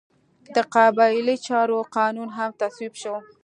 د قبایلي چارو قانون هم تصویب شو.